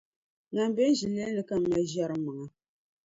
Ŋan be n ʒilɛli ni ka m mali n-ʒiɛri m maŋa.